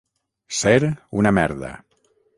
Ser una merda.